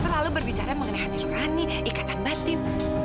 selalu berbicara mengenai hati nurani ikatan batin